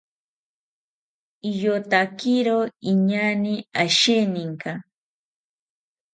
Iyotakiro inaañe asheninka